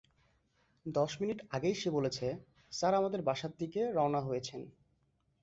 দশ মিনিট আগেই সে বলেছে, স্যার আমাদের বাসার দিকে রওনা হয়েছেন।